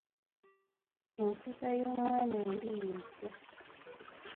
Enkuza y'omwana embi y'etya?